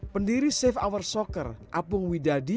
pendiri save our soccer apung widadi